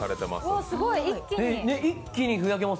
わあ、すごい一気に。